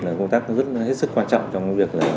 là công tác rất hết sức quan trọng